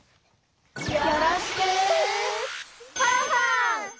よろしくファンファン！